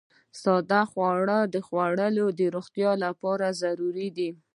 ساده خواړه خوړل د روغتیا لپاره ضروري دي.